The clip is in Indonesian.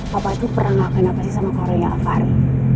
papa itu pernah gak kenapa sih sama keluarga alvari